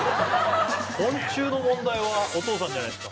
昆虫の問題はお父さんじゃないですか？